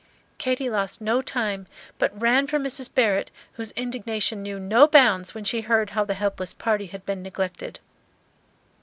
Katy lost no time, but ran for Mrs. Barrett, whose indignation knew no bounds when she heard how the helpless party had been neglected.